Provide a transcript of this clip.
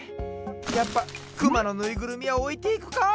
やっぱクマのぬいぐるみはおいていくか！